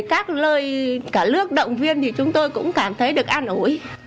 các lời cả lước động viên thì chúng tôi cũng cảm thấy được an ủi